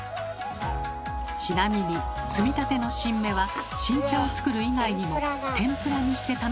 ちなみに摘みたての新芽は新茶を作る以外にも天ぷらにして楽しむことができます。